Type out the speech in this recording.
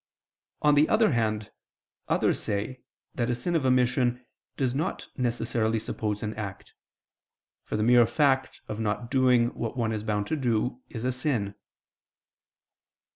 On the other hand, others say, that a sin of omission does not necessarily suppose an act: for the mere fact of not doing what one is bound to do is a sin.